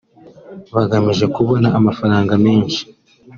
bagamije kubona amafaranga menshi